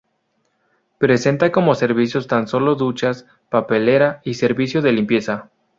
Presenta como servicios tan solo duchas, papelera y servicio de limpieza.